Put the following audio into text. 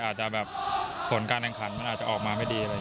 อาจจะผลการแดงขันออกมาไม่ดี